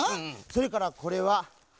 それからこれははい！